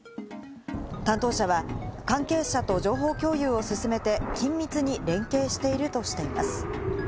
担当者は関係者と情報共有を進めて緊密に連携しているとしています。